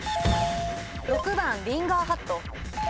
６番リンガーハット？